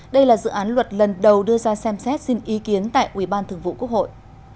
đây là dự án luật lần đầu đưa ra xem xét xin ý kiến tại ủy ban thường vụ quốc hội